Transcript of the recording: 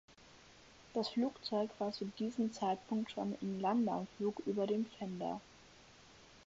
Das Flugzeug war zu diesem Zeitpunkt schon im Landeanflug über dem Pfänder.